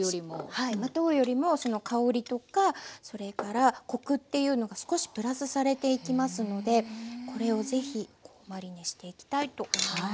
はいまとうよりもその香りとかそれからコクっていうのが少しプラスされていきますのでこれをぜひマリネしていきたいと思います。